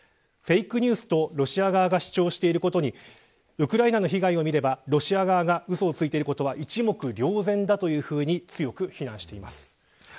フェイクニュースとロシア側が主張していることにウクライナに被害を見ればロシアがうそをついていることは一目瞭然だと強く非難しています。